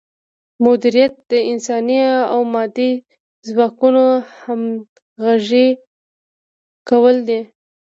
مدیریت د انساني او مادي ځواکونو همغږي کول دي.